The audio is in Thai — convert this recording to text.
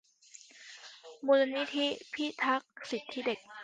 มูลนิธิศูนย์พิทักษ์สิทธิเด็ก